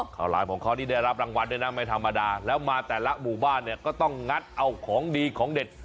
หลามของเขานี่ได้รับรางวัลด้วยนะไม่ธรรมดาแล้วมาแต่ละหมู่บ้านเนี่ยก็ต้องงัดเอาของดีของเด็ด